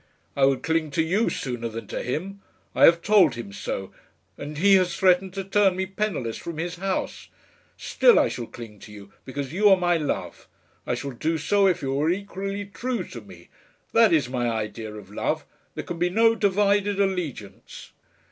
"I would cling to you sooner than to him. I have told him so, and he has threatened to turn me penniless from his house. Still I shall cling to you, because you are my love. I shall do so if you are equally true to me. That is my idea of love. There can be no divided allegiance."